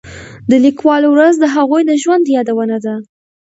د لیکوالو ورځ د هغوی د ژوند یادونه ده.